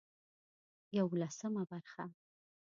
يولسمه برخه